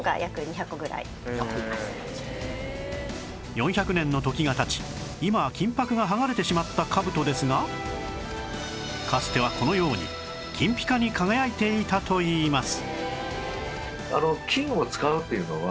４００年の時が経ち今は金箔が剥がれてしまった兜ですがかつてはこのように金ピカに輝いていたといいます